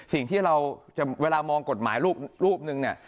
สิ่งที่เราจะเวลามองกฎหมายรูปนึงเนี่ย